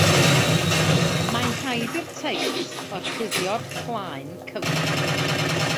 Mae'n rhaid i'r teils orchuddio'r plaen cyfan.